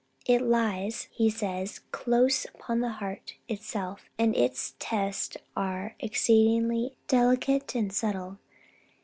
It lies," he says, "close upon the heart itself, and its tests are exceedingly delicate and subtle.